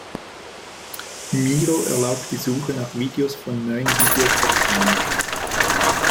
Miro erlaubt die Suche nach Videos von neun Video-Portalen.